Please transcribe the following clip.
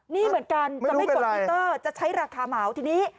นี่เหมือนกันจะไม่กดมิเตอร์จะใช้ราคาเหมาทีนี้